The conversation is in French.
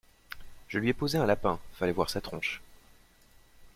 Je lui ai posé un lapin, fallait voir sa tronche.